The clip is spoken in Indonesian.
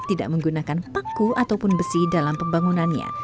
tidak menggunakan paku ataupun besi dalam pembangunannya